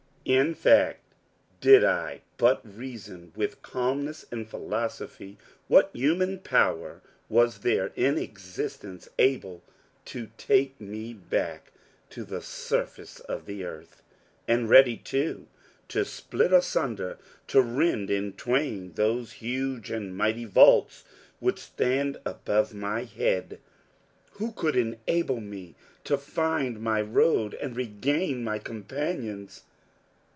In fact, did I but reason with calmness and philosophy, what human power was there in existence able to take me back to the surface of the earth, and ready, too, to split asunder, to rend in twain those huge and mighty vaults which stand above my head? Who could enable me to find my road and regain my companions?